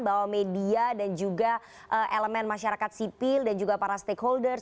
bahwa media dan juga elemen masyarakat sipil dan juga para stakeholders